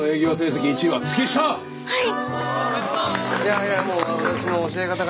はい！